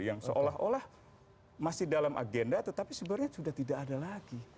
yang seolah olah masih dalam agenda tetapi sebenarnya sudah tidak ada lagi